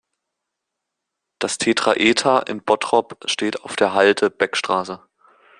Das Tetraeder in Bottrop steht auf der Halde Beckstraße.